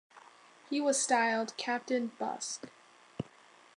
He was styled "Captain Busk".